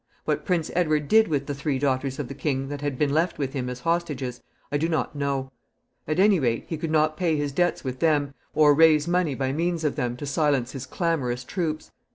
What Prince Edward did with the three daughters of the king that had been left with him as hostages I do not know. At any rate, he could not pay his debts with them, or raise money by means of them to silence his clamorous troops.